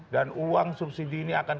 dan uang subsidi ini akan